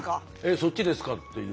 「そっちですか」っていう。